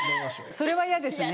それは嫌ですね。